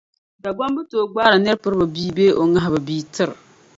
Dagbamba tooi gbaari nir’ piriba bii bee o ŋahiba bia, n-tir’...